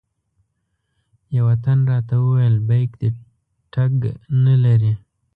یوه تن راته وویل بیک دې ټګ نه لري.